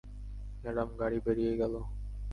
Madam, গাড়ি বেরিয়ে গেলো।